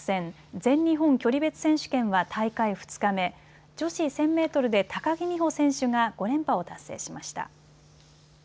全日本距離別選手権は大会２日目、女子１０００メートルで高木美帆選手が５連覇を達成しました。